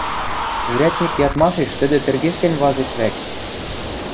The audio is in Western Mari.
Урядник ядмашеш тӹдӹ тӹргештен вазеш вӓк.